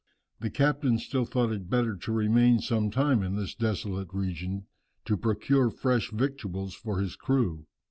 The captain still thought it better to remain some time in this desolate region, to procure fresh victuals for his crew.